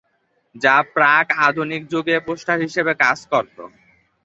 যা প্রাক আধুনিক যুগে পোস্টার হিসেবে কাজ করতো।